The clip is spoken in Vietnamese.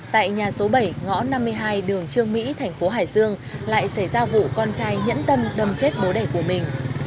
tại nhà số bảy ngõ năm mươi hai đường trương mỹ thành phố hải dương lại xảy ra vụ con trai nhẫn tâm đâm chết bố đẻ của mình